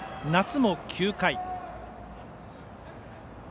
夏も９回。